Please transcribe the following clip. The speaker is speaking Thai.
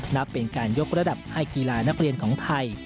นับเป็นการยกระดับให้กีฬานักเรียนของไทย